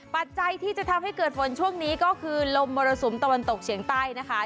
ปัจจัยที่จะทำให้เกิดฝนช่วงนี้ก็คือลมมรสุมตะวันตกเฉียงใต้นะคะ